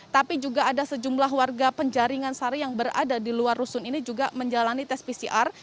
tapi juga ada sejumlah warga penjaringan sari yang berada di luar rusun ini juga menjalani tes pcr